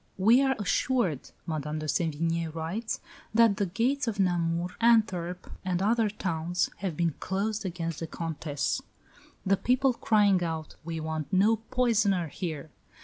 "We are assured," Madame de Sevigné writes, "that the gates of Namur, Antwerp, and other towns have been closed against the Countess, the people crying out, 'We want no poisoner here'!"